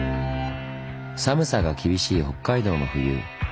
寒さが厳しい北海道の冬。